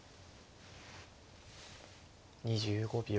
２５秒。